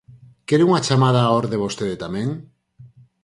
¿Quere unha chamada á orde vostede tamén?